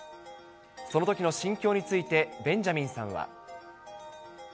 そのときの心境について、ベンジャミンさんは。